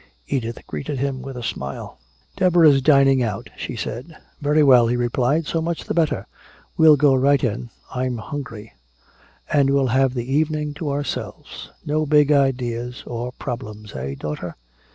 Edith greeted him with a smile. "Deborah's dining out," she said. "Very well," he replied, "so much the better. We'll go right in I'm hungry. And we'll have the evening to ourselves. No big ideas nor problems. Eh, daughter?"